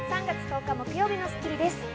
３月１０日、木曜日の『スッキリ』です。